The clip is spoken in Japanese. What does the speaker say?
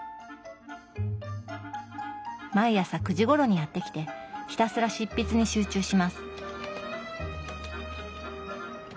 毎朝９時ごろにやって来てひたすら執筆に集中します。